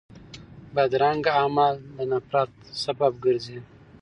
بدرنګه عمل د نفرت سبب ګرځي